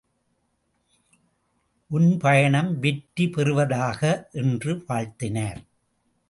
உன் பயணம் வெற்றி பெறுவதாக! என்று வாழ்த்தினார்.